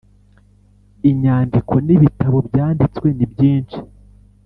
Inyandiko n’ibitabo byanditswe ni byinshi.